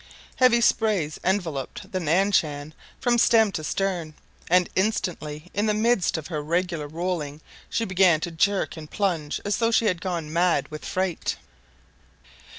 Heavy sprays enveloped the Nan Shan from stem to stern, and instantly in the midst of her regular rolling she began to jerk and plunge as though she had gone mad with fright.